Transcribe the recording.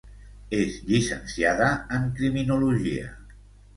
És llicenciada en criminologia.